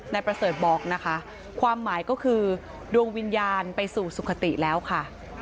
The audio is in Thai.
นายประเสริฐบอกนะคะความหมายก็คือดวงวิญญาณไปสู่สุขติแล้วค่ะ